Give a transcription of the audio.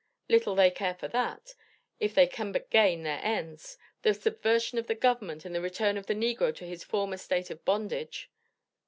"Little they care for that, if they can but gain their ends, the subversion of the Government, and the return of the negro to his former state of bondage."